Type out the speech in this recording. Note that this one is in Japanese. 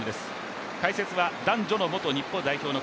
解説は男女の元日本代表